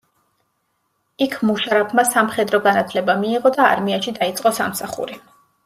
იქ მუშარაფმა სამხედრო განათლება მიიღო და არმიაში დაიწყო სამსახური.